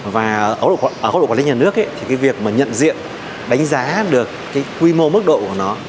và ở góc độ quản lý nhà nước việc nhận diện đánh giá được quy mô mức độ của nó